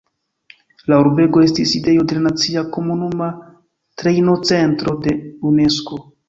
La urbego estis sidejo de la Nacia Komunuma Trejnocentro de Unesko.